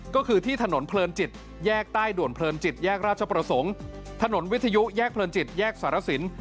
ก็คือที่ถนนเพลินจิตแยกใต้ด่วนเพลินจิตแยกราชประสงค์ถนนวิทยุแยกเพลินจิตแยกสารสิน